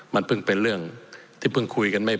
มันเพิ่งเป็นเรื่องที่เพิ่งคุยกันไม่